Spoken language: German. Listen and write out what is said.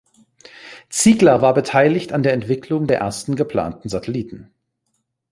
Ziegler war beteiligt an der Entwicklung der ersten geplanten Satelliten.